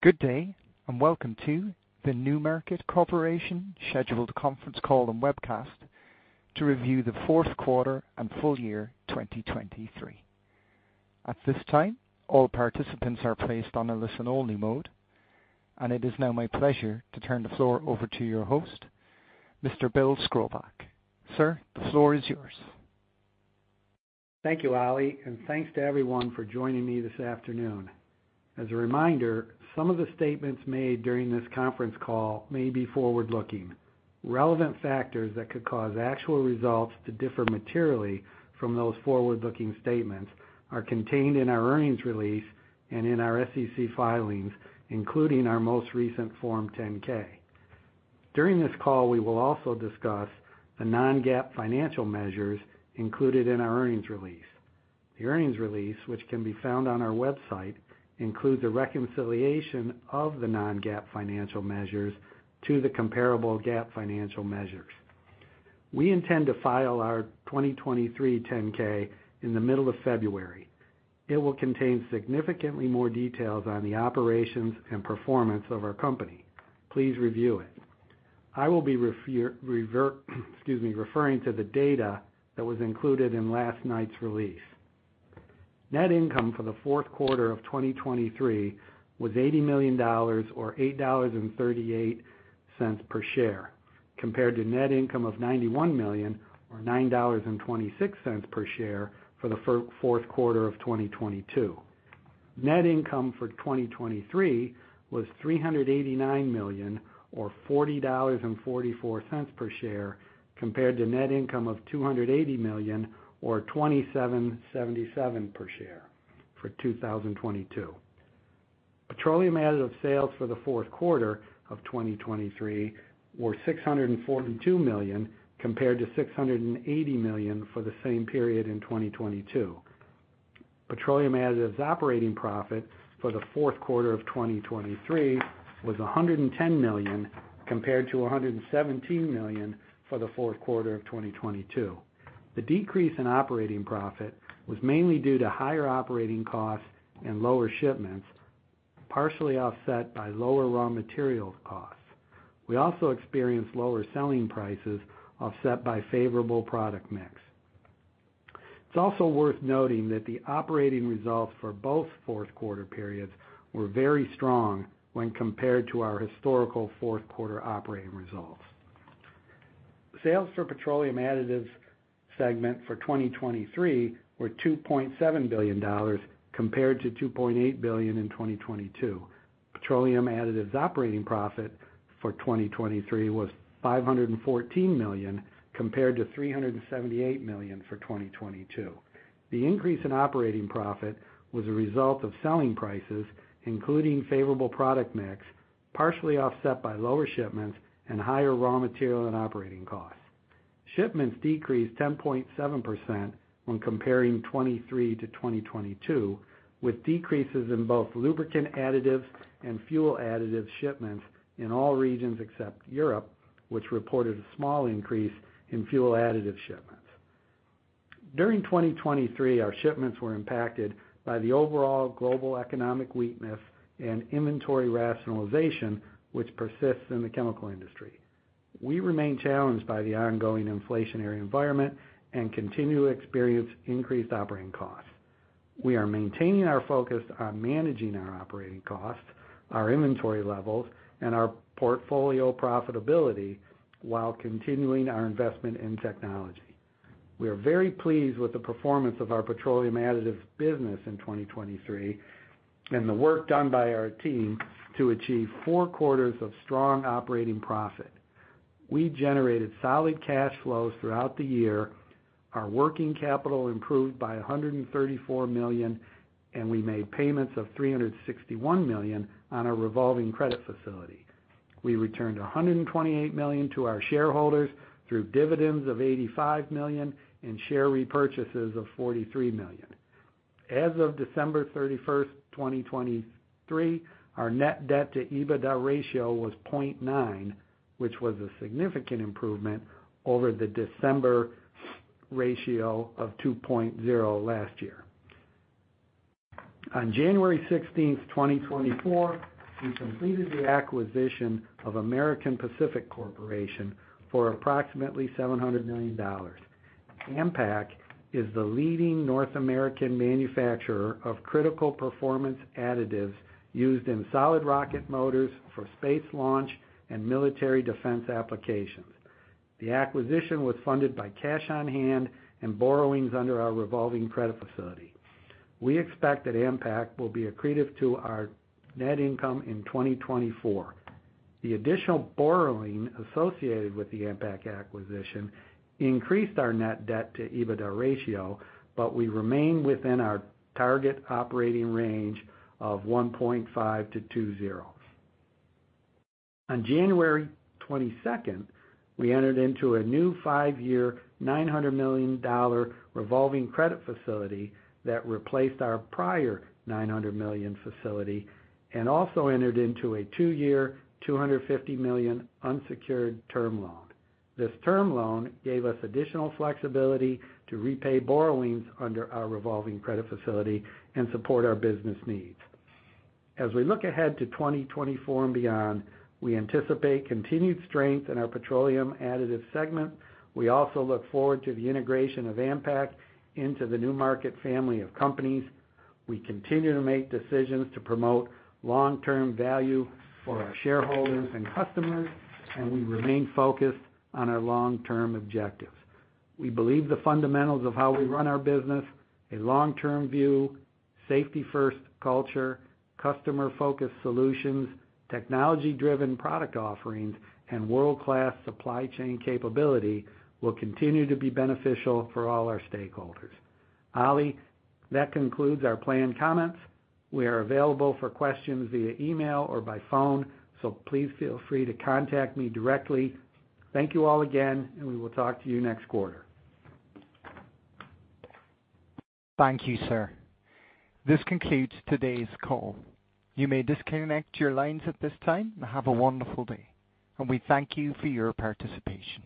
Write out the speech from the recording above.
Good day and welcome to the NewMarket Corporation scheduled conference call and webcast to review the fourth quarter and full year 2023. At this time, all participants are placed on a listen-only mode, and it is now my pleasure to turn the floor over to your host, Mr. Bill Skrobacz. Sir, the floor is yours. Thank you, Ali, and thanks to everyone for joining me this afternoon. As a reminder, some of the statements made during this conference call may be forward-looking. Relevant factors that could cause actual results to differ materially from those forward-looking statements are contained in our earnings release and in our SEC filings, including our most recent Form 10-K. During this call, we will also discuss the non-GAAP financial measures included in our earnings release. The earnings release, which can be found on our website, includes a reconciliation of the non-GAAP financial measures to the comparable GAAP financial measures. We intend to file our 2023 10-K in the middle of February. It will contain significantly more details on the operations and performance of our company. Please review it. I will be referring to the data that was included in last night's release. Net income for the fourth quarter of 2023 was $80 million or $8.38 per share, compared to net income of $91 million or $9.26 per share for the fourth quarter of 2022. Net income for 2023 was $389 million or $40.44 per share, compared to net income of $280 million or $27.77 per share for 2022. Petroleum additive sales for the fourth quarter of 2023 were $642 million, compared to $680 million for the same period in 2022. Petroleum additives operating profit for the fourth quarter of 2023 was $110 million, compared to $117 million for the fourth quarter of 2022. The decrease in operating profit was mainly due to higher operating costs and lower shipments, partially offset by lower raw materials costs. We also experienced lower selling prices, offset by favorable product mix. It's also worth noting that the operating results for both fourth quarter periods were very strong when compared to our historical fourth quarter operating results. Sales for petroleum additives segment for 2023 were $2.7 billion, compared to $2.8 billion in 2022. Petroleum additives operating profit for 2023 was $514 million, compared to $378 million for 2022. The increase in operating profit was a result of selling prices, including favorable product mix, partially offset by lower shipments and higher raw material and operating costs. Shipments decreased 10.7% when comparing 2023 to 2022, with decreases in both lubricant additives and fuel additive shipments in all regions except Europe, which reported a small increase in fuel additive shipments. During 2023, our shipments were impacted by the overall global economic weakness and inventory rationalization, which persists in the chemical industry. We remain challenged by the ongoing inflationary environment and continue to experience increased operating costs. We are maintaining our focus on managing our operating costs, our inventory levels, and our portfolio profitability while continuing our investment in technology. We are very pleased with the performance of our petroleum additives business in 2023 and the work done by our team to achieve four quarters of strong operating profit. We generated solid cash flows throughout the year. Our working capital improved by $134 million, and we made payments of $361 million on our revolving credit facility. We returned $128 million to our shareholders through dividends of $85 million and share repurchases of $43 million. As of December 31st, 2023, our net debt to EBITDA ratio was 0.9%, which was a significant improvement over the December ratio of 2.0% last year. On January 16th, 2024, we completed the acquisition of American Pacific Corporation for approximately $700 million. AMPAC is the leading North American manufacturer of critical performance additives used in solid rocket motors for space launch and military defense applications. The acquisition was funded by cash on hand and borrowings under our revolving credit facility. We expect that AMPAC will be accretive to our net income in 2024. The additional borrowing associated with the AMPAC acquisition increased our net debt to EBITDA ratio, but we remain within our target operating range of 1.5%-2.0%. On January 22nd, we entered into a new five-year, $900 million revolving credit facility that replaced our prior $900 million facility and also entered into a two-year, $250 million unsecured term loan. This term loan gave us additional flexibility to repay borrowings under our revolving credit facility and support our business needs. As we look ahead to 2024 and beyond, we anticipate continued strength in our petroleum additive segment. We also look forward to the integration of AMPAC into the NewMarket family of companies. We continue to make decisions to promote long-term value for our shareholders and customers, and we remain focused on our long-term objectives. We believe the fundamentals of how we run our business, a long-term view, safety-first culture, customer-focused solutions, technology-driven product offerings, and world-class supply chain capability will continue to be beneficial for all our stakeholders. Ali, that concludes our planned comments. We are available for questions via email or by phone, so please feel free to contact me directly. Thank you all again, and we will talk to you next quarter. Thank you, sir. This concludes today's call. You may disconnect your lines at this time. Have a wonderful day, and we thank you for your participation.